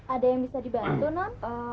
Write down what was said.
ada yang bisa dibantu non